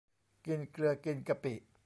กินเกลือกินกะปิ